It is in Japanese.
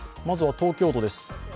まずは東京都です。